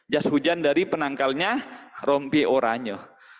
jas hujan dari penangkalnya rompi oranye